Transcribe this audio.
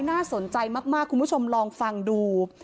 น่าสนใจมากคุณผู้ชมลองฟังดู